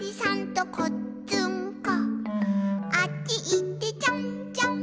「あっちいってちょんちょん」